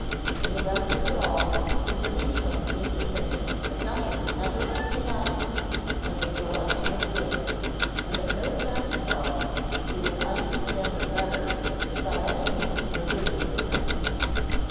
And the best of it all was that each one seemed to think that nothing ever could be happier, as a selection of gifts, and that no Santa Claus who would understand them better, could by any means have visited them.